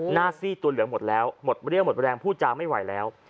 ซี่ตัวเหลืองหมดแล้วหมดเรี่ยวหมดแรงพูดจาไม่ไหวแล้ว